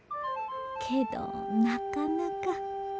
けどなかなか。